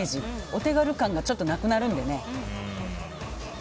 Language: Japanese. お手軽感がちょっとなくなるのでね。